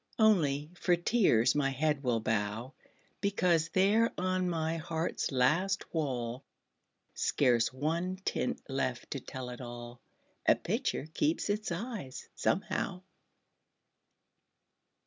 Only, for tears my head will bow, Because there on my heart's last wall, Scarce one tint left to tell it all, A picture keeps its eyes, somehow.